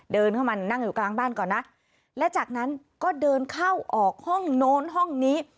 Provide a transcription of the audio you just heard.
เดินเข้ามานั่งอยู่กลางบ้านก่อนนะและจากนั้นก็เดินเข้าออกห้องโน้นห้องนี้